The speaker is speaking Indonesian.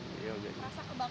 terasa kebakar gitu